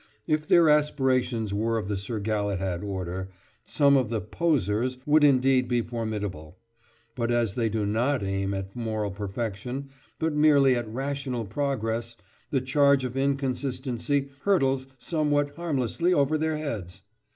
If their aspirations were of the Sir Galahad order, some of the "posers" would indeed be formidable; but as they do not aim at moral perfection, but merely at rational progress, the charge of inconsistency hurtles somewhat harmlessly over their heads.